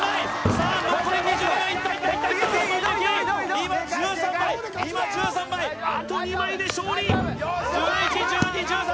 さあ残り２０秒いったいった今１３枚今１３枚あと２枚で勝利１１１２１３